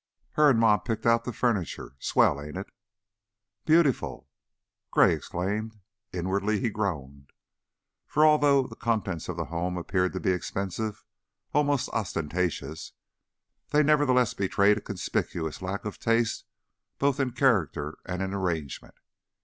"Her and Ma picked out the furniture. Swell, ain't it?" "Beautiful!" Gray exclaimed. Inwardly he groaned, for, although the contents of the home appeared to be expensive, almost ostentatious, they nevertheless betrayed a conspicuous lack of taste both in character and in arrangement.